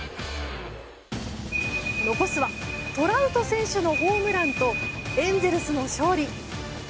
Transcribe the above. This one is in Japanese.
残すはトラウト選手のホームランとエンゼルスの勝利。